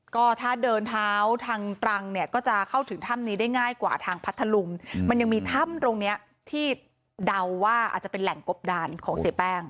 ก็ถ้าเดินเท้าทางตรังเนี่ยก็จะเข้าถึงถ้ำนี้ได้ง่ายกว่าทางพัทธลุงมันยังมีถ้ำตรงเนี้ยที่เดาว่าอาจจะเป็นแหล่งกบดานของเสียแป้ง